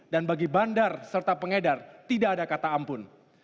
dan bagi bandar serta pengedar tidak ada kata ampun